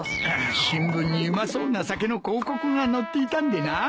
新聞にうまそうな酒の広告が載っていたんでな。